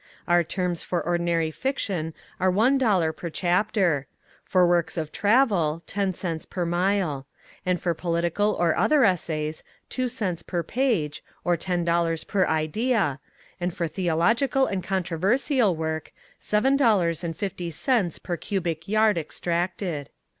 Our terms for ordinary fiction are one dollar per chapter; for works of travel, 10 cents per mile; and for political or other essays, two cents per page, or ten dollars per idea, and for theological and controversial work, seven dollars and fifty cents per cubic yard extracted.